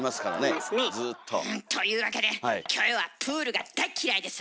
いますね。というわけでキョエはプールが大っ嫌いです。